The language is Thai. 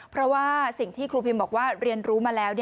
เพราะว่าสิ่งที่ครูพิมบอกว่าเรียนรู้มาแล้ว